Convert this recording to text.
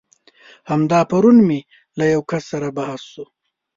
همدا پرون مې له يو کس سره بحث شو.